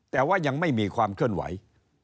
แต่ว่ายังไม่มีความเคลื่อนไหว